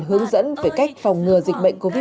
hướng dẫn về cách phòng ngừa dịch bệnh covid một mươi chín